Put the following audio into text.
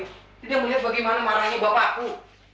tidak melihat bagaimana marahnya bapakku